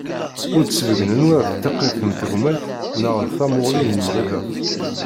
Ur d-sbeggnen ula d tiqqit n tegmat neɣ d tamuɣli n lemɣiḍat.